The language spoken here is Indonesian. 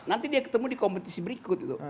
nanti dia ketemu di kompetisi berikut gitu